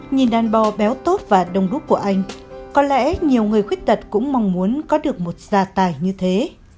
nhìn đàn bò béo tốt và đông đúc của anh có lẽ nhiều người khuyết tật cũng mong muốn có được một gia tài như thế